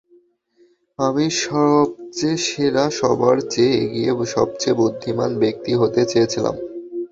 আমি সবচেয়ে সেরা, সবার চেয়ে এগিয়ে, সবচেয়ে বুদ্ধিমান ব্যক্তি হতে চেয়েছিলাম।